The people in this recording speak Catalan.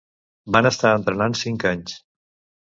Van estar entrenant cinc anys.